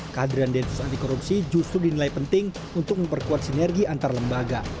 kehadiran densus anti korupsi justru dinilai penting untuk memperkuat sinergi antar lembaga